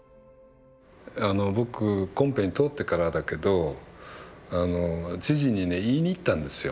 あの僕コンペに通ってからだけど知事にね言いに行ったんですよ。